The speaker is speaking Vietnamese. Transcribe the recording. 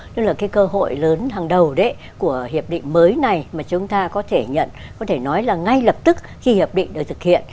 đó là cái cơ hội lớn hàng đầu của hiệp định mới này mà chúng ta có thể nhận có thể nói là ngay lập tức khi hiệp định được thực hiện